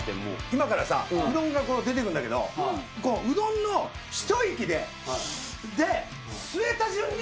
今からさうどんが出てくんだけどうどんの一息で吸えた順に。